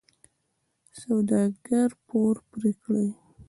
د سوداګر پور پرې کړي.